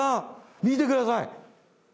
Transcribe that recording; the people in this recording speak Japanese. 見てください。